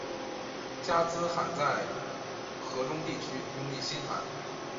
加兹罕在河中地区拥立新汗。